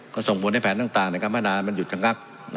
ก็ส่งบนให้แผนต่างต่างในการมาดารังมันหยุดคลั้งกรรม